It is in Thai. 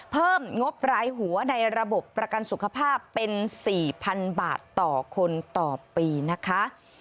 งบรายหัวในระบบประกันสุขภาพเป็น๔๐๐๐บาทต่อคนต่อปีนะคะ